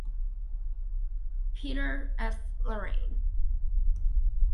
Petre, F. Loraine.